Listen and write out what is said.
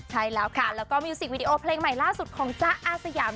ใช่แล้วค่ะแล้วก็มิวสิกวิดีโอเพลงใหม่ล่าสุดของจ๊ะอาสยาม